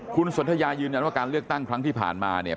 คุณสนทยายืนยันว่าการเลือกตั้งครั้งที่ผ่านมาเนี่ย